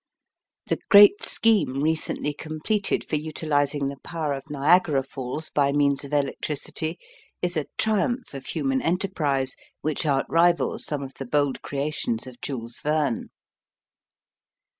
The great scheme recently completed for utilizing the power of Niagara Falls by means of electricity is a triumph of human enterprise which outrivals some of the bold creations of Jules Verne.